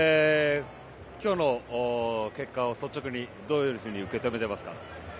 今日の結果を率直にどういうふうに受け止めていますか。